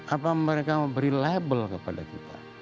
apa mereka memberi label kepada kita